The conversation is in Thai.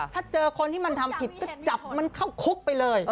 ถ้าเจอคนที่มันทำผิดก็จับมันเข้าคุกไปเลย